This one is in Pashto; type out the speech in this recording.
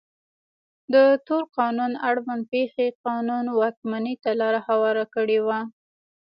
د تور قانون اړوند پېښې قانون واکمنۍ ته لار هواره کړې وه.